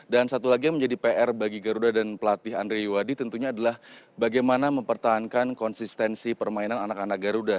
dan satu lagi yang menjadi pr bagi garuda dan pelatih andre iwadi tentunya adalah bagaimana mempertahankan konsistensi permainan anak anak garuda